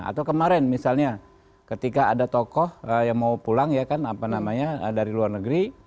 atau kemarin misalnya ketika ada tokoh yang mau pulang ya kan apa namanya dari luar negeri